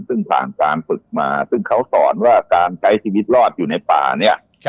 ซึ่งผ่านการฝึกมาซึ่งเขาสอนว่าการใช้ชีวิตรอดอยู่ในป่าเนี่ย